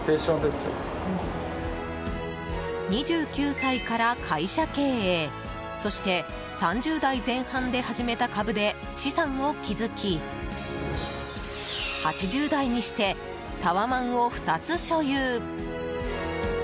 ２９歳から会社経営そして３０代前半で始めた株で資産を築き８０代にしてタワマンを２つ所有。